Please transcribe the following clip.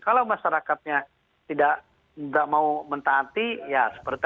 kalau masyarakatnya tidak mau mentaati ya seperti itu